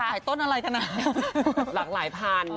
ต้องขายต้นอะไรกันนะหลังหลายพัน